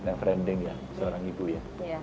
nge friendly ya seorang ibu ya